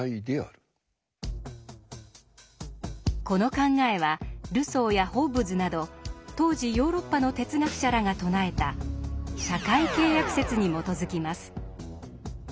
この考えはルソーやホッブズなど当時ヨーロッパの哲学者らが唱えた「社会契約説」に基づきます。